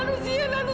aduh siapa ini